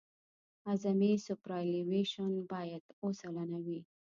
اعظمي سوپرایلیویشن باید اوه سلنه وي